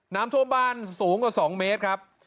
น้ำท่วมบ้านสูงกว่า๒เมตรครับ